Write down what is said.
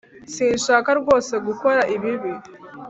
sinshaka rwose gukora ibi.